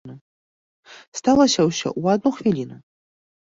Сталася ўсё ў адну хвіліну.